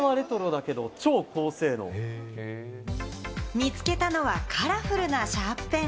見つけたのはカラフルなシャーペン。